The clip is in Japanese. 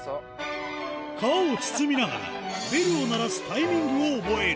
皮を包みながら、ベルを鳴らすタイミングを覚える。